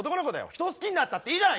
人を好きになったっていいじゃないか！